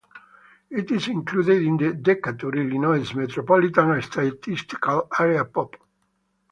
It is included in the Decatur, Illinois Metropolitan Statistical Area pop.